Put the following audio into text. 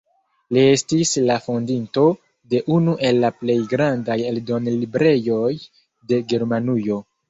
Li estis la fondinto de unu el la plej grandaj eldonlibrejoj de Germanujo.